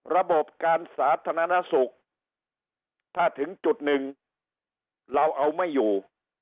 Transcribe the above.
ระบบการสาธารณสุขถ้าถึงจุดหนึ่งเราเอาไม่อยู่